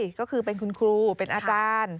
ก็คือเป็นคุณครูเป็นอาจารย์